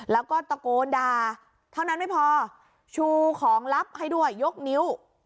แล้วก็ตะโกนด่าเท่านั้นไม่พอชูของลับให้ด้วยยกนิ้ว